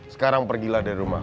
sekarang pergilah dari rumahku